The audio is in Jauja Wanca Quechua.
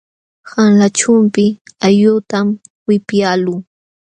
Qanla chumpi allqutam wipyaaluu.